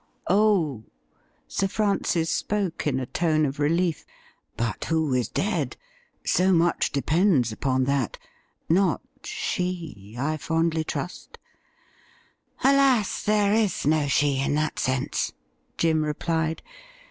' Oh !' Sir Francis spoke in a tone of relief. ' But who is dead ? So much depends upon that. Not she, I fondly trust .''' 'Alas! There is no she, in that sense,' Jim replied.